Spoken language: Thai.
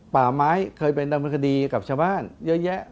ป่าไม้เคยเป็นดำเนินคดีกับชาวบ้านเยอะแยะ